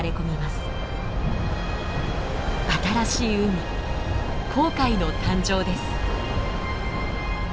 新しい海紅海の誕生です。